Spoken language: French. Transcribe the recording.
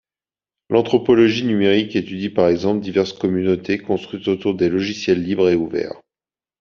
L'anthropologie numérique étudie par exemple diverses communautés construites autour des logiciels libres et ouverts.